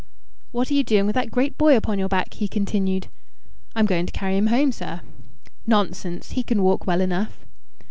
"What are you doing with that great boy upon your back?" he continued. "I'm going to carry him home, sir." "Nonsense! He can walk well enough."